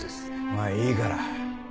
まあいいから。